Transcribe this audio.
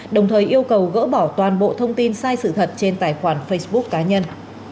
đồng thời yêu cầu gỡ bỏ toàn bộ thông tin sai sự thật trên tài khoản facebook cá nhân